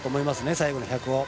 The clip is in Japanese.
最後の１００を。